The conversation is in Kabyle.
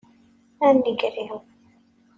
A nnger-iw!